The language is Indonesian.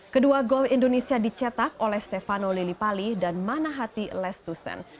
kedua gol indonesia dicetak oleh stefano lillipali dan manahati lestusen